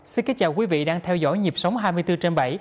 xin kính chào quý vị đang theo dõi nhịp sống hai mươi bốn trên bảy